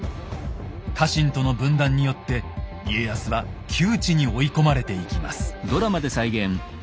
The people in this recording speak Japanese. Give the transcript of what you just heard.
家臣との分断によって家康は窮地に追い込まれていきます。